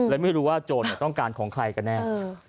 และไม่รู้ว่าโจรต้องการของใครกันแน่